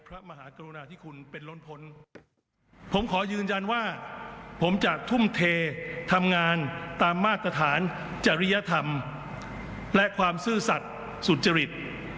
ผมขอยืนยันว่าผมจะทุ่มเททำงานตามมาตรฐานจริยธรรมและความซื้อสัตว์สุจริต